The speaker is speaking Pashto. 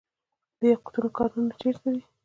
د یاقوتو کانونه چیرته دي؟